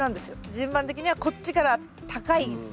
順番的にはこっちから高い。